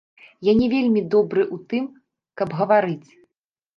Я не вельмі добры ў тым, каб гаварыць.